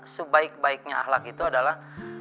sebaik baiknya ahlak itu adalah